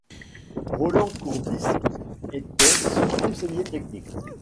Rolland Courbis était son conseiller technique.